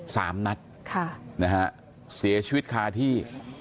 สามนัดค่ะนะฮะเสียชีวิตคาที่